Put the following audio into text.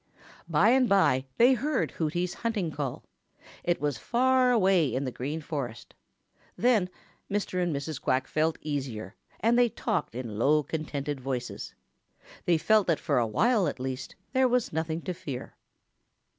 By and by they heard Hooty's hunting call. It was far away in the Green Forest. Then Mr. and Mrs. Quack felt easier, and they talked in low, contented voices. They felt that for a while at least there was nothing to fear.